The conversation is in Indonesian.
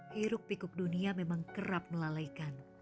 hiruk pikuk dunia memang kerap melalaikan